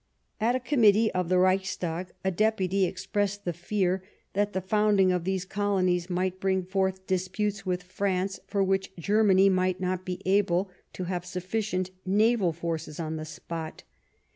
At a committee of the Reichstag a Deputy expressed the fear that the founding of these colonies might bring forth dis putes with France for which Germany might not be able to have sufficient naval forces on the spot.